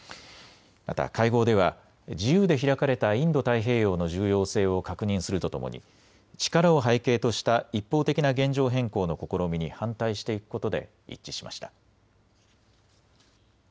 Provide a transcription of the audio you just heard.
また会合では自由で開かれたインド太平洋の重要性を確認するとともに力を背景とした一方的な現状変更の試みに反対していくことで一致しました。